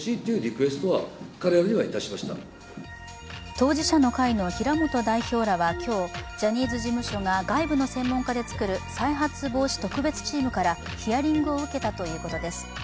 当事者の会の平本代表らは今日、ジャニーズ事務所が外部の専門家で作る再発防止特別チームからヒアリングを受けたということです。